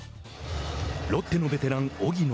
ロッテのベテラン、荻野。